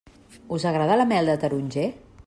Us agrada la mel de taronger?